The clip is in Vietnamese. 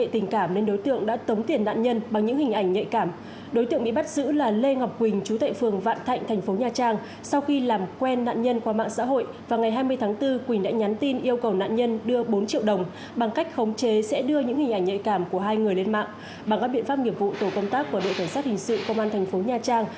trường pháp nghiệp vụ tổ công tác của đội cảnh sát hình sự công an thành phố nha trang